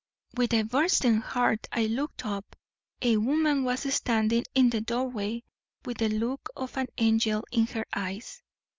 "With a bursting heart I looked up. A woman was standing in the doorway, with the look of an angel in her eyes.